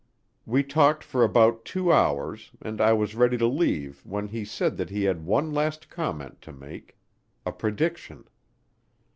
We talked for about two hours, and I was ready to leave when he said that he had one last comment to make a prediction.